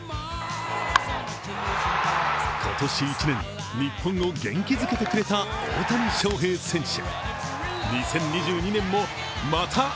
今年１年、日本を元気づけてくれた大谷翔平選手。